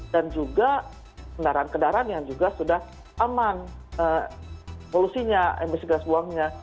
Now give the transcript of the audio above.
dan juga kendaraan kendaraan yang juga sudah aman polusinya emisi gas buangnya